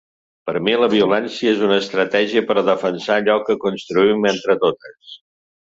Per mi la violència és una estratègia per defensar allò que construïm entre totes.